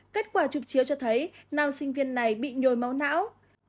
kết quả chụp chiếu cho thấy nam sinh viên này bị nhồi máu não